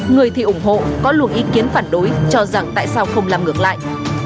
người thì ủng hộ có luồng ý kiến phản đối cho rằng tại sao không làm ngược lại